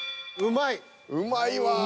うまいわ。